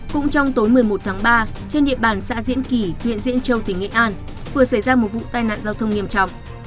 cũng trong tối một mươi một tháng ba trên địa bàn xã diễn kỳ huyện diễn châu tỉnh nghệ an vừa xảy ra một vụ tai nạn giao thông nghiêm trọng